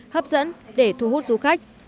hấp dẫn để thu hút du khách